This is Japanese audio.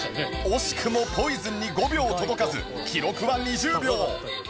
惜しくも『ＰＯＩＳＯＮ』に５秒届かず記録は２０秒